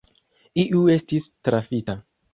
Iu estis trafita.